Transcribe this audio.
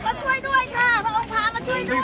ก็ไม่มีใครกลับมาเมื่อเวลาอาทิตย์เกิดขึ้น